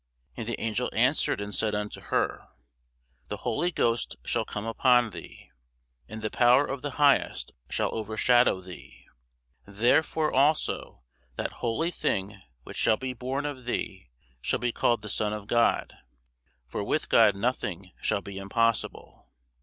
And the angel answered and said unto her, The Holy Ghost shall come upon thee, and the power of the Highest shall overshadow thee: therefore also that holy thing which shall be born of thee shall be called the Son of God. For with God nothing shall be impossible.